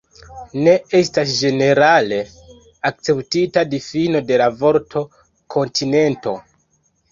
Ne estas ĝenerale akceptita difino de la vorto "kontinento.